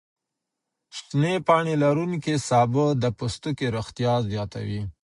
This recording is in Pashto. شنې پاڼې لروونکي سابه د پوستکي روغتیا زیاتوي.